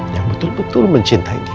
yang betul betul mencintai dia